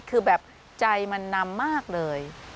คือแบบใจมันนำมากเลย